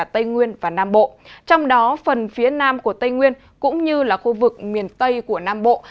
trong đó phần phía nam của tây nguyên cũng như là khu vực miền tây của nam bộ